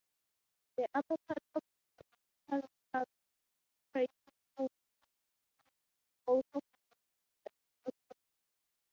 The upper part of the sedimentary crater-fill sequence includes also Cambrian microfossils.